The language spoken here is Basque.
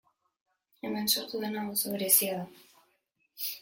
Hemen sortu dena oso berezia da.